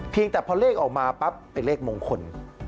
แต่พอเลขออกมาปั๊บเป็นเลขมงคล